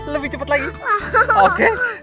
lebih cepat lagi